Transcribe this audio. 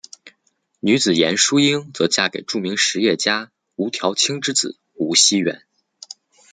女子严淑英则嫁给著名实业家吴调卿之子吴熙元。